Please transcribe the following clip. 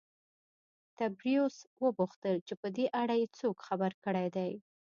تبریوس وپوښتل چې په دې اړه یې څوک خبر کړي دي